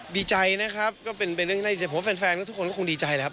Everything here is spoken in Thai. ดีใจนะครับเพราะว่าแฟนทุกคนก็ดีใจนะครับ